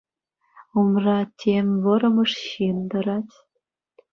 Умра тем вӑрӑмӑш ҫын тӑрать.